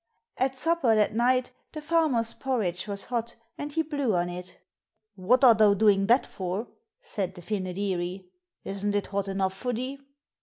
At supper that night the Farmer's porridge was hot and he blew on it. 'What are thou doing that for?' said the Fynoderee. 'Isn't it hot enough for thee?'